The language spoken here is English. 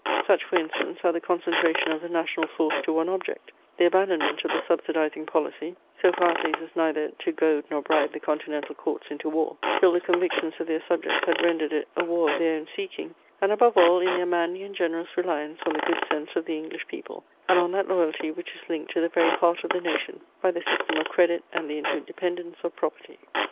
Such for instance are the concentration of the national force to one object; the abandonment of the subsidizing policy, so far at least as neither to goad nor bribe the continental courts into war, till the convictions of their subjects had rendered it a war of their own seeking; and above all, in their manly and generous reliance on the good sense of the English people, and on that loyalty which is linked to the very heart of the nation by the system of credit and the interdependence of property.